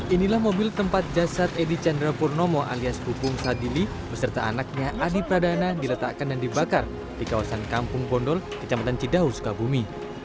inilah mobil tempat jasad edi chandrapurnomo alias pupung sadili beserta anaknya adi pradana diletakkan dan dibakar di kawasan kampung bondol kecamatan cidahu sukabumi